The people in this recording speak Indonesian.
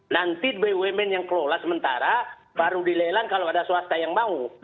nanti bumn yang kelola sementara baru dilelang kalau ada swasta yang mau